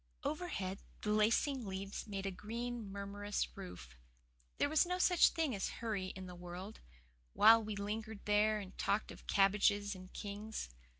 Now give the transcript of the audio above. Overhead the lacing leaves made a green, murmurous roof. There was no such thing as hurry in the world, while we lingered there and talked of "cabbages and kings."